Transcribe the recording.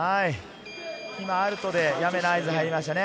今、アウトでやめの合図が入りましたね。